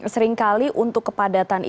seringkali untuk kepadatan idul